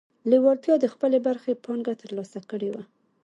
لېوالتیا د خپلې برخې پانګه ترلاسه کړې وه.